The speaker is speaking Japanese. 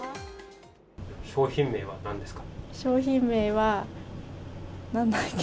商品名はなんですか。